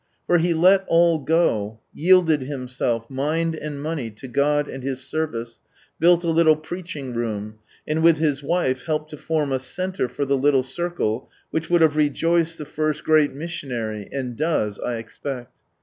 For he let all go, yielded himself, mind and money, to God and His service, built a little preaching room, and with his wife helped to form a centre for the little circle, which would have rejoiced the first great missionary, and does, I expect.